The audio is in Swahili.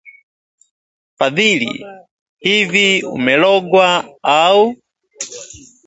“Fadhili?!! Hivi umerogwa au?”